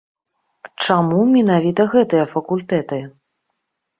Чаму менавіта гэтыя факультэты?